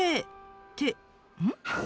ってうん？